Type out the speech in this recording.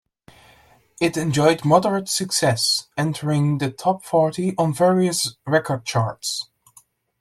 It enjoyed moderate success, entering the top forty on various record charts.